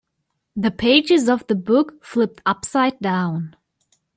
The pages of the book flipped upside down.